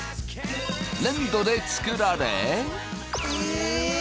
粘土で作られ。え！